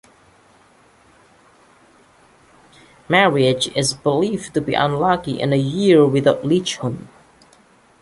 Marriage is believed to be unlucky in a year without Lichun.